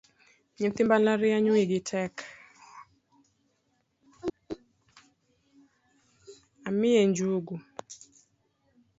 Amiyie njugu?